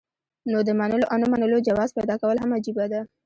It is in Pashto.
نو د منلو او نۀ منلو جواز پېدا کول هم عجيبه ده